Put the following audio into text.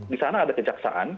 di sana ada kejaksaan